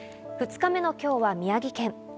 ２日目の今日は宮城県。